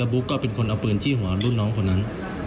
บุ๊กก็เป็นคนเอาปืนจี้หัวรุ่นน้องคนนั้น